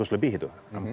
empat ratus lebih itu